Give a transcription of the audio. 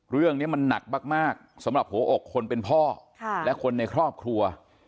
เรื่องนี้มันหนักมากสำหรับหัวอกคนเป็นพ่อและคนในครอบครัว